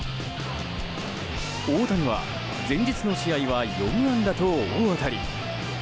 大谷は前日の試合は４安打と大当たり。